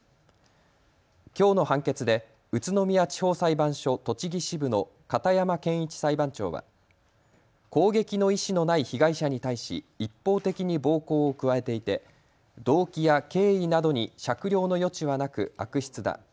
きょうの判決で宇都宮地方裁判所栃木支部の片山憲一裁判長は攻撃の意思のない被害者に対し一方的に暴行を加えていて動機や経緯などに酌量の余地はなく悪質だ。